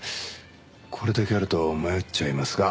これだけあると迷っちゃいますが。